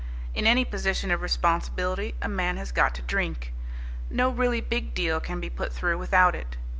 In any position of responsibility a man has got to drink. No really big deal can be put through without it.